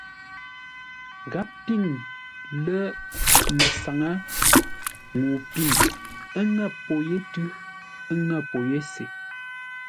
Gháp pîŋ lə̂ məsáŋə́ ŋuu pîŋ, ə́ ŋə̂ pô yé tʉ́, ə́ ŋə̂ pô yé se.